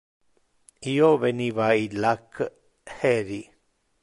Io veniva illac heri.